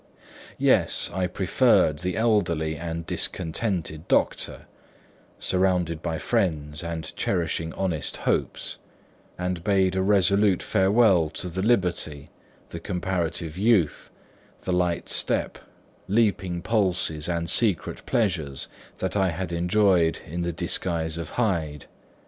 Yes, I preferred the elderly and discontented doctor, surrounded by friends and cherishing honest hopes; and bade a resolute farewell to the liberty, the comparative youth, the light step, leaping impulses and secret pleasures, that I had enjoyed in the disguise of Hyde.